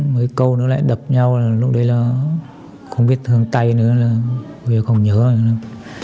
mấy câu nữa lại đập nhau lúc đấy là không biết thương tay nữa bây giờ không nhớ nữa